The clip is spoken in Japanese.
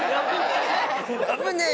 危ねえ！